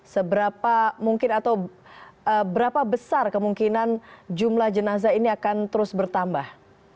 seberapa mungkin atau berapa besar kemungkinan jumlah jenazah ini akan terus bertambah